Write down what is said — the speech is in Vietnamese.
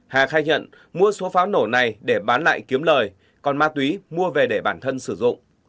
hà khai nhận mua số pháo nổ này để bán lại kiếm lời còn ma túy mua về để bản thân sử dụng